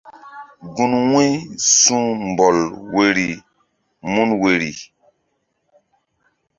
Gun wu̧y su̧ mbɔl woyri mun woyri.